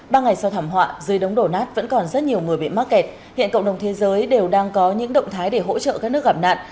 ba ngày sau thảm họa dưới đống đổ nát vẫn còn rất nhiều người bị mắc kẹt hiện cộng đồng thế giới đều đang có những động thái để hỗ trợ các nước gặp nạn